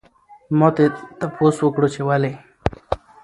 ما ترې تپوس وکړو چې ولې؟